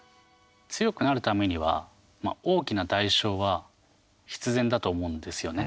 強くなるためには大きな代償は必然だと思うんですよね。